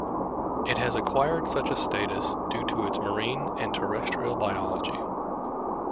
It has acquired such a status due to its marine and terrestrial biology.